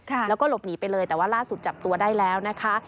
แล้วก็หลบหนีไปเลยแต่ว่าล่าสุดจับตัวได้แล้วนะคะ